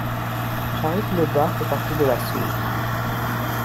Charritte-de-Bas fait partie de la Soule.